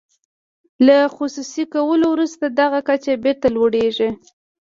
له خصوصي کولو وروسته دغه کچه بیرته لوړیږي.